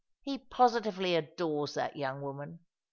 He positively adores that young woman.